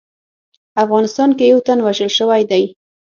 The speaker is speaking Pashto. افغانستان کې یو تن وژل شوی دی